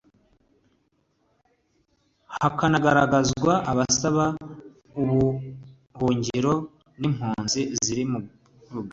hakanagaragazwa abasaba ubuhungiro n’impunzi ziri muri Uganda